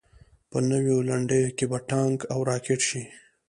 په نویو لنډیو کې به ټانک او راکټ راشي.